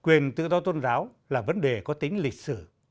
quyền tự do tôn giáo là vấn đề có tính lịch sử